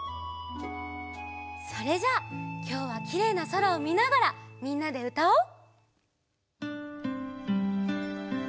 それじゃあきょうはきれいなそらをみながらみんなでうたおう！